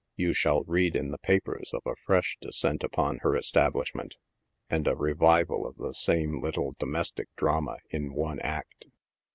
you shall read in the papers of a fresh descent upon her establishment, and a re vival of the same little domestic drama in one act.